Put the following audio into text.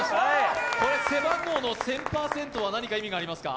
背番号の１０００％は、何か意味がありますか？